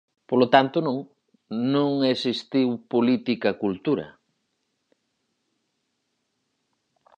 Polo tanto, non, non existiu política cultura.